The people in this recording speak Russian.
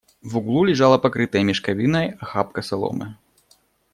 В углу лежала покрытая мешковиной охапка соломы.